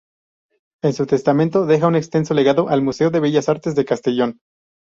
En su testamento deja un extenso legado al Museo de Bellas Artes de Castellón.